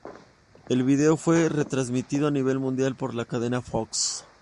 El vídeo fue retransmitido a nivel mundial por la cadena Fox.